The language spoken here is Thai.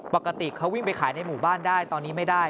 ปกติเขาวิ่งไปขายในหมู่บ้านได้ตอนนี้ไม่ได้